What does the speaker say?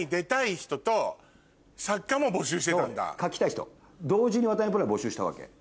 書きたい人同時に渡辺プロは募集したわけ。